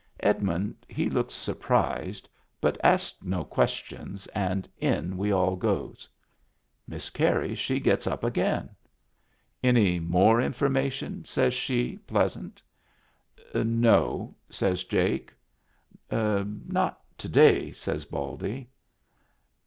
Edmund he looks surprised, but asks no ques tions, and in we all goes. Miss Carey she gets up again. " Any more information ?" says she, pleasant " No," says Jake. " Not to day," says Baldy.